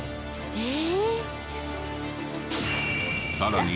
えっ！？